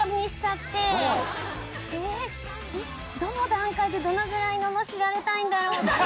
どの段階でどのくらい罵られたいんだろう？」とか。